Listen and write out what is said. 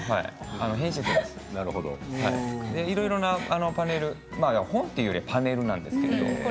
いろんなパネル、本というよりパネルなんですけど。